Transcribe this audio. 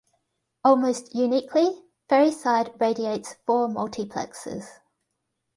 Almost uniquely, Ferryside radiates four multiplexes.